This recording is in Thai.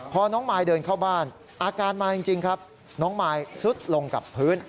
พอน้องมายเดินเข้าบ้านอาการมาจริงครับน้องมายซุดลงกับพื้น